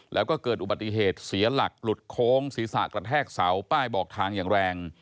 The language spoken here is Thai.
แล้วก็เกิดอุบัติเหตุเสียหลักหลุดโค้งศีรษะกระแทกเสาป้ายบอกทางอย่างแรง